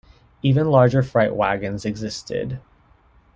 Even larger freight wagons existed.